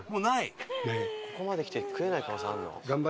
ここまで来て食えない可能性あるの？